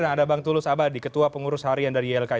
dan ada bang tulus abadi ketua pengurus harian dari ylki